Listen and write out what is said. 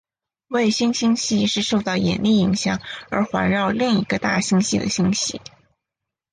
卫星星系是受到引力影响而环绕另一个大星系的星系。